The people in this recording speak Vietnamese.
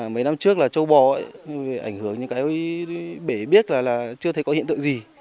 mấy năm trước là châu bò ảnh hưởng những cái bể biết là chưa thấy có hiện tượng gì